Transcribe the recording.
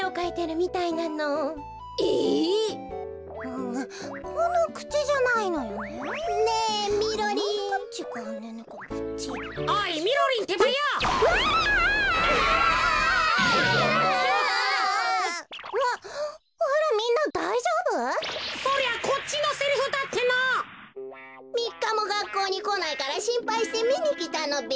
みっかもがっこうにこないからしんぱいしてみにきたのべ。